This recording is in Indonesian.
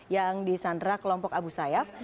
yang disandra kelompok abu sayyaf